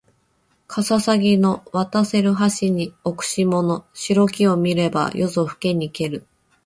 かささぎの渡せる橋に置く霜の白きを見れば夜ぞふけにける